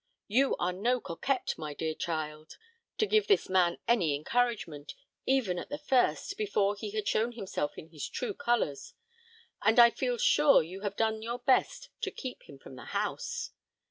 You are no coquette, my dear child, to give this man any encouragement, even at the first, before he had shown himself in his true colours; and I feel sure you have done your best to keep him from the house."